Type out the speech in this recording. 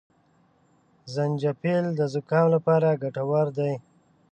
زنجپيل د زکام لپاره ګټور دي